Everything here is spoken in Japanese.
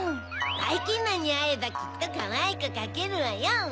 ばいきんまんにあえばきっとかわいくかけるわよ。